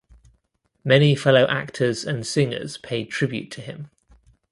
Many fellow actors and singers paid tribute to him.